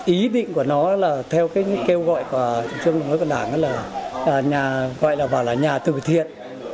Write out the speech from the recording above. ý định của nó là theo kêu gọi của trường hội của đảng là nhà tự thiện